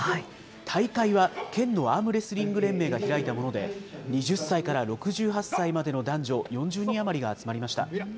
大会は県のアームレスリング連盟が開いたもので、２０歳から６８歳までの男女４０人余りが集まりました。